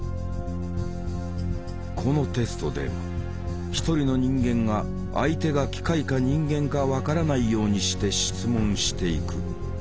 このテストでは一人の人間が相手が機械か人間か分からないようにして質問していく。